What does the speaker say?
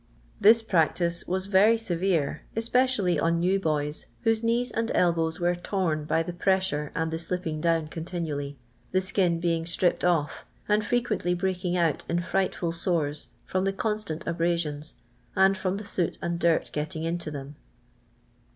This practice was very severe, especially on new boys, whose knees and elbows were torn by the pressure and the slipping down continually — the skin being stripped off, and frequently breaking out in fright ful sores, from the constant abrasions, and from the soot and dirt getting into them.